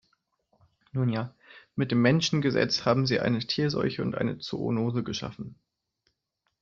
Nun ja, mit dem Menschengesetz haben Sie eine Tierseuche und eine Zoonose geschaffen.